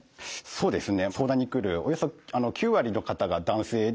そうですね。